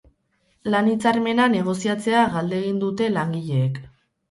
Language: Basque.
Lan-hitzarmena negoziatzea galdegin dute langileek.